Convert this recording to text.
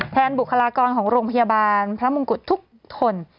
บุคลากรของโรงพยาบาลพระมงกุฎทุกคน